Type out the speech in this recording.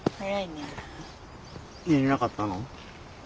寝れなかったの？